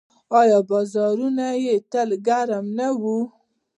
آیا بازارونه یې تل ګرم نه وي؟